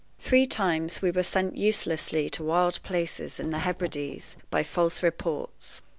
Three times we were sent uselessly to wild places in the Hebrides by false reports.